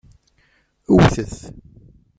Wwtet!